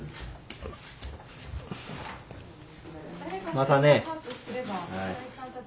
またね。